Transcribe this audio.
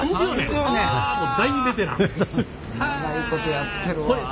長いことやってるわ。